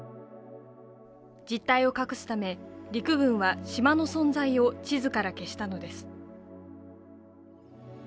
実態を隠すため、陸軍は島の存在を地図から消したのです。